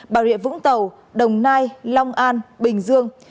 bà rịa vũng tàu đồng nai long an bình dương